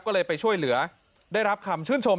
ก็เลยไปช่วยเหลือได้รับคำชื่นชม